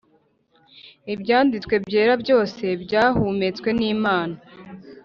Ibyanditswe byera byose byahumetswe n Imana